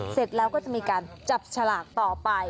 เสร็จแล้วก็จะมีการจับฉลากต่อไป